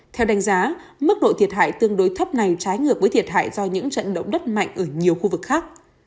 theo đánh giá mức độ thiệt hại tương đối thấp này trái ngược với thiệt hại do những trận động đất mạnh ở nhiều khu vực khác